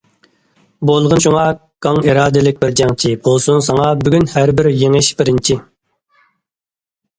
بولغىن شۇڭا گاڭ ئىرادىلىك بىر جەڭچى، بولسۇن ساڭا بۈگۈن ھەربىر يېڭىش بىرىنچى.